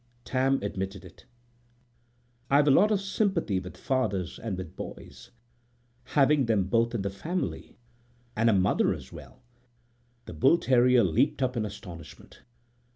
Tam admitted it. "I've a lot of sympathy with fathers and with boys, having them both in the family, and a mother as well." The bull terrier leaped up in astonishment.